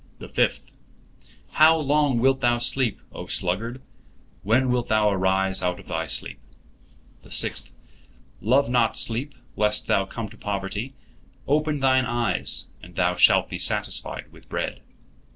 The fifth: "How long wilt thou sleep, O sluggard? When wilt thou arise out of thy sleep?" The sixth: "Love not sleep, lest thou come to poverty; open thine eyes, and thou shalt be satisfied with bread."